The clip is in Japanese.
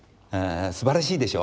すばらしいでしょ。